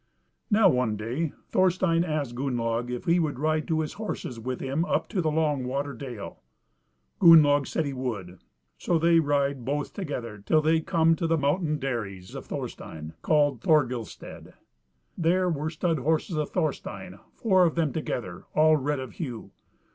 Now one day Thorstein asked Gunnlaug if he would ride to his horses with him up to Long water dale. Gunnlaug said he would. So they ride both together till they come to the mountain dairies of Thorstein, called Thorgils stead. There were stud horses of Thorstein, four of them together, all red of hue.